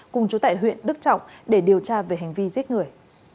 cùng chú tại huyện đức trọng để điều tra về hành vi giết người